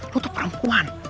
lo tuh perempuan